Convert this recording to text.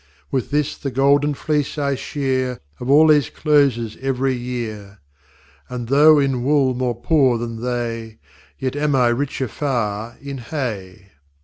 With this the golden fleece I shear Of all these Closes ev'ry Year. And though in Wooll more poor than they, Yet am I richer far in Hay.